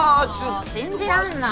もう信じらんない。